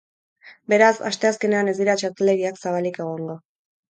Beraz, asteazkenean ez dira txarteldegiak zabalik egongo.